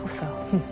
うん。